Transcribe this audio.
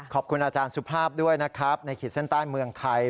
ขอบคุณอาจารย์สุภาพด้วยนะครับในขีดเส้นใต้เมืองไทย